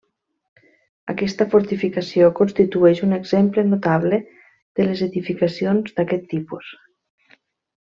Aquesta fortificació constitueix un exemple notable de les edificacions d'aquest tipus.